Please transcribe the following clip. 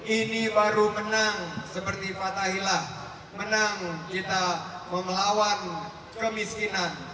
ini baru menang seperti patah hilah menang kita memelawan kemiskinan